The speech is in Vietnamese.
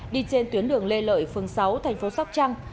đi trên tuyến đường lê lợi phường sáu thành phố sóc trăng